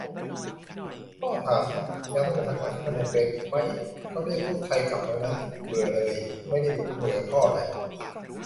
พ่อถาม ยังต้องไปทำงานที่พนมเปญอีกมั๊ย ? เค้าเรียกทูตไทยกลับแล้วนะ - เบื่อเลย ไม่ได้เบื่อพ่อนะ